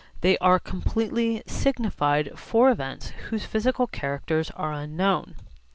They are completely signified for events whose physical characters are unknown.